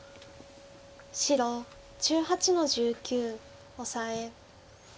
白１８の十九オサエ。